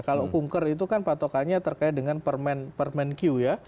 kalau kunker itu kan patokannya terkait dengan permen q ya